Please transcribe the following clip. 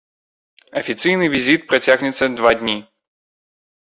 Афіцыйны візіт працягнецца два дні.